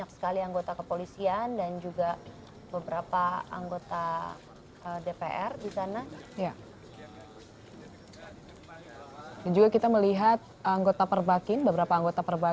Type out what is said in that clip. sekarang ini tadi dilakukan di negeri petak asli